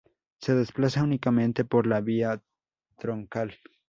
Se desplaza únicamente por la vía troncal.